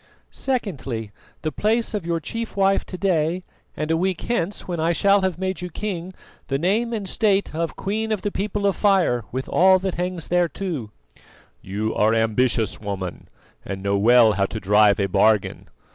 "Secondly, the place of your chief wife to day; and a week hence, when I shall have made you king, the name and state of Queen of the People of Fire with all that hangs thereto." "You are ambitious, woman, and know well how to drive a bargain.